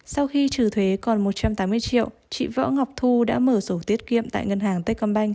sau khi trừ thuế còn một trăm tám mươi triệu chị võ ngọc thu đã mở sổ tiết kiệm tại ngân hàng tết công banh